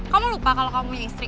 kamu lupa kalau kamu punya istri